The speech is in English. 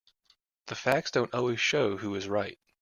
The facts don't always show who is right.